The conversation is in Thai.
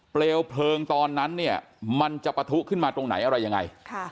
เปลวเพลิงตอนนั้นเนี่ยมันจะปะทุขึ้นมาตรงไหนอะไรยังไง